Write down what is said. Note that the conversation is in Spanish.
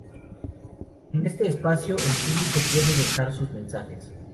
En este espacio el público puede dejar sus mensajes.